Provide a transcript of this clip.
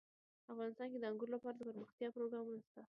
افغانستان کې د انګور لپاره دپرمختیا پروګرامونه شته.